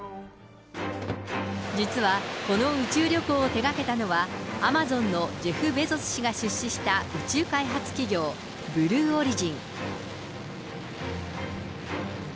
実は、この宇宙旅行を手がけたのは、アマゾンのジェフ・ベゾス氏が出資した宇宙開発企業、ブルーオリジン。